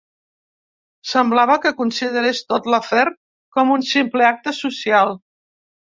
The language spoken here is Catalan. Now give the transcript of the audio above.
Semblava que considerés tot l'afer com un simple acte social